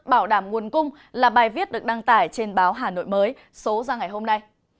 bảo đảm nguồn cung là bài viết được đăng tải trên báo hà nội mới số ra ngày hôm nay